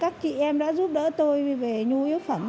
các chị em đã giúp đỡ tôi về nhu yếu phẩm